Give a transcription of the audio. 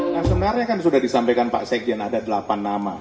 yang sebenarnya kan sudah disampaikan pak sekjen ada delapan nama